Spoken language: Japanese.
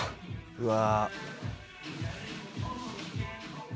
うわ！